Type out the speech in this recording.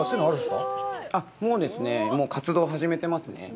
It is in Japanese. もう活動を始めてますね。